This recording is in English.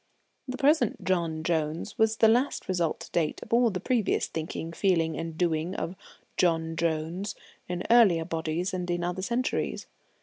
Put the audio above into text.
The present John Jones was the last result to date of all the previous thinking, feeling, and doing of John Jones in earlier bodies and in other centuries.